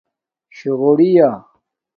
شوغوری یہ